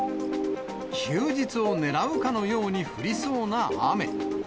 休日を狙うかのように降りそうな雨。